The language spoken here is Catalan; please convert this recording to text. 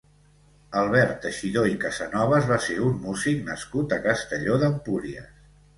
Albert Teixidor i Casanovas va ser un músic nascut a Castelló d'Empúries.